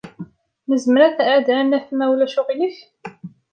Nezmer ad n-nadef, ma ulac aɣilif?